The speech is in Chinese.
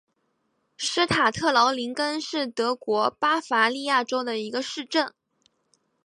施塔特劳林根是德国巴伐利亚州的一个市镇。